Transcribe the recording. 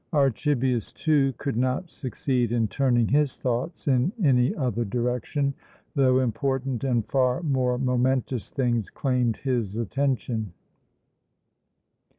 Archibius, too, could not succeed in turning his thoughts in any other direction, though important and far more momentous things claimed his attention.